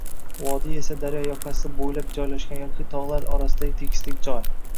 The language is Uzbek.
Vodiy esa daryo yoqasi boʻylab joylashgan yoki togʻlar orasidagi tekislik joy